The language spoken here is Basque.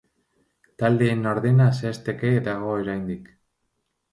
Taldeen ordena zehazteke dago oraindik.